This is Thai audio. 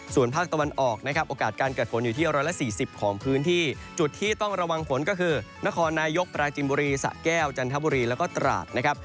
ส่วนภาคตะวันออกนะครับโอกาสการเกิดฝนอยู่ที่๑๔๐ของพื้นที่จุดที่ต้องระวังฝนก็คือนครนายกปราจินบุรีสะแก้วจันทบุรีแล้วก็ตราดนะครับ